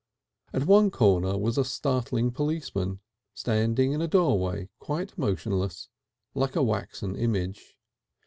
At one corner was a startling policeman, standing in a doorway quite motionless, like a waxen image.